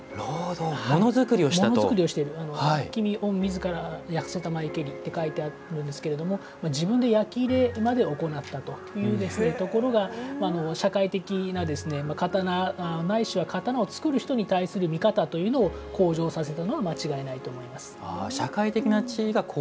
「君御手づから焼せ給けり」って書いてあるんですけど自分で焼き入れまで行ったというところが社会的な刀ないしは刀を作る人の見方というのを向上させたのは間違いないと思います。